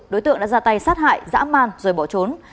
đối tượng đã ra tay sát hại dã man rồi bỏ trốn